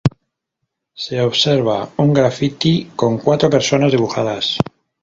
Se observa un grafiti con cuatro personas dibujadas.